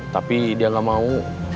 tapi dia gak mau